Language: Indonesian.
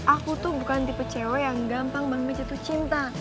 aku tuh bukan tipe cewe yang gampang banget jatuh cinta